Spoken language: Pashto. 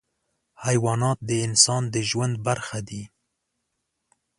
حیوانات د انسان د ژوند برخه دي.